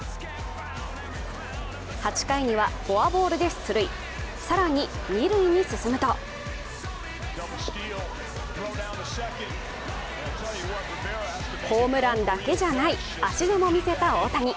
８回にはフォアボールで出塁、更に二塁に進むとホームランだけじゃない足でも見せた大谷。